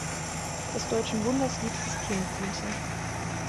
Des deutschen Wunders liebstes Kind" diente.